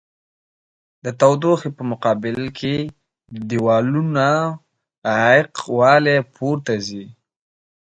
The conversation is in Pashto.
د تودوخې په مقابل کې د دېوالونو عایق والي پورته ځي.